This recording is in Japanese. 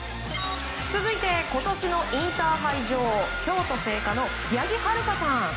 続いて今年のインターハイ女王京都精華学園の八木悠香さん。